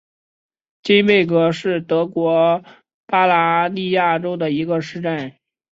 金贝格是德国巴伐利亚州的一个市镇。